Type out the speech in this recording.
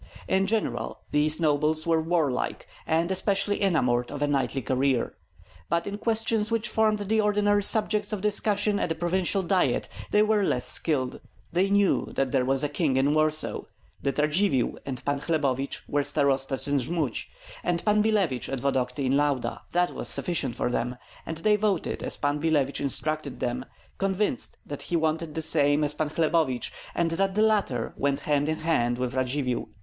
In general, these nobles were warlike, and especially enamoured of a knightly career; but in questions which formed the ordinary subjects of discussion at a provincial diet they were less skilled. They knew that there was a king in Warsaw; that Radzivill and Pan Hlebovich were starostas in Jmud, and Pan Billevich at Vodokty in Lauda. That was sufficient for them; and they voted as Pan Billevich instructed them, convinced that he wanted the same as Pan Hlebovich, and that the latter went hand in hand with Radzivill.